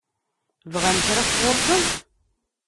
Bɣan kra sɣur-sent?